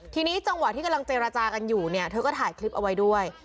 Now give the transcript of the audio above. ทีนี้จังหวะที่กำลังเจรจากันอยู่เนี่ยเธอก็ถ่ายคลิปเอาไว้ด้วย